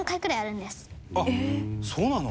あっそうなの？